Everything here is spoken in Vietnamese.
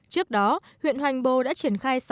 trước đó huyện hoành bồ đã triển khai